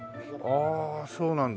ああそうなんだ。